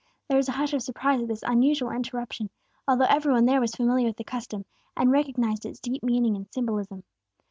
There was a hush of surprise at this unusual interruption, although every one there was familiar with the custom, and recognized its deep meaning and symbolism.